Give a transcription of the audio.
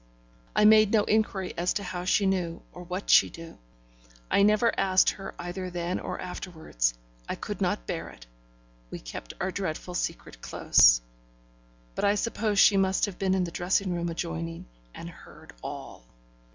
I made no inquiry as to how she knew, or what she knew. I never asked her either then or afterwards, I could not bear it we kept our dreadful secret close. But I suppose she must have been in the dressing room adjoining, and heard all.